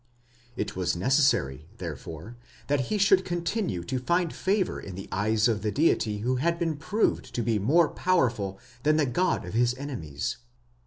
It was necessary, therefore, that he should continue to find favour in the eyes of the deity who had been proved to be more powerful than the god of his enemies.